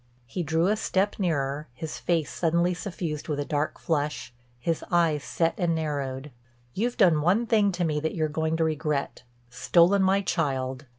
He drew a step nearer, his face suddenly suffused with a dark flush, his eyes set and narrowed. "You've done one thing to me that you're going to regret—stolen my child.